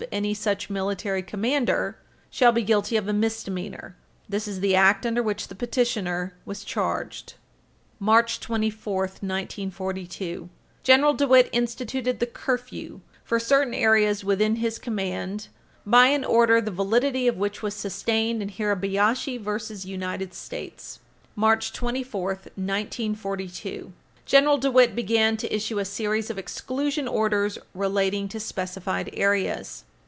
. any such military commander" shall be guilty of a misdemeanor. This is the Act under which the petitioner was charged. March 24, 1942, General DeWitt instituted the curfew for certain areas within his command, by an order the validity of which was sustained in Hirabayashi v. United States, supra. March 24, 1942, General DeWitt began to issue a series of exclusion orders relating to specified areas.